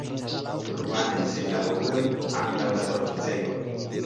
Rumanaj senlaboruloj antaŭ laboroficejo.